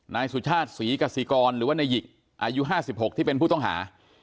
นายสุชาติศรีกษิกรหรือว่านายหยิกอายุ๕๖ที่เป็นผู้ต้องหา